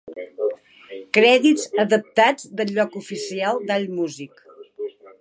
Crèdits adaptats del lloc oficial d'AllMusic.